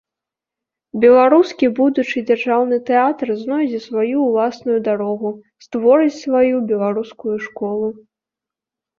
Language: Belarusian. Беларускі будучы дзяржаўны тэатр знойдзе сваю ўласную дарогу, створыць сваю беларускую школу.